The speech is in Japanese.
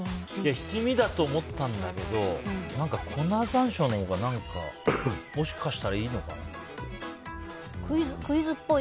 七味だと思ったんだけど何か、粉山椒のほうがもしかしたらいいのかなって。